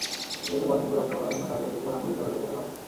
ইংরেজদের বয়নশিল্প রক্ষা করার জন্য তাদের তুখোড় আঙুলের ডগা কেটে ফেলা হয়।